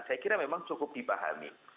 saya kira memang cukup dipahami